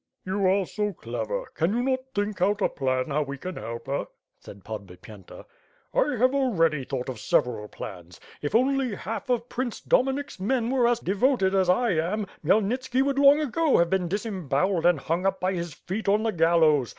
"You are so clever. Can you not think cut a plan how we can help her," said Podbipyenta. "I have already thought of several plans. If only half of Prince Dominik's men were as devoted as I am, Khmyelnitski would long ago have been disemboweled and hung up by his feet on the gallows.